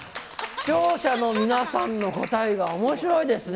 視聴者の皆さんの答えがおもしろいですね。